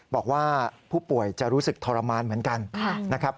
บอกว่าผู้ป่วยจะรู้สึกทรมานเหมือนกันนะครับ